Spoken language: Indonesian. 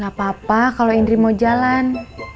gapapa kalo indri mau jalan